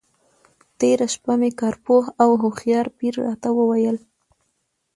تېره شپه مې کار پوه او هوښیار پیر راته وویل.